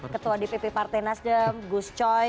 ketua dpp partai nasdem gus coy